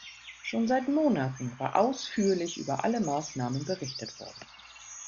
Schon seit Monaten war ausführlich über alle Maßnahmen berichtet worden.